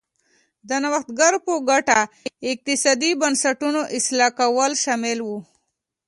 د نوښتګرو په ګټه اقتصادي بنسټونو اصلاح کول شامل و.